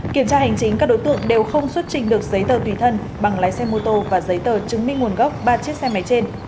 kiểm tra hành chính các đối tượng đều không xuất trình được giấy tờ tùy thân bằng lái xe mô tô và giấy tờ chứng minh nguồn gốc ba chiếc xe máy trên